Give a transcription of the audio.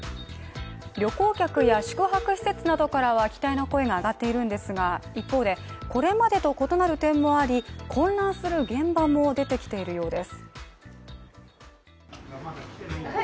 旅行客や宿泊施設などからは期待の声が上がっているんですが一方、でこれまでと異なる点もあり混乱する現場も出てきているようです。